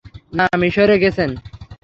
না, মিশনে গেছেন।